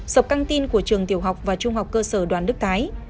sập căng tin của trường tiểu học và trung học cơ sở đoàn đức thái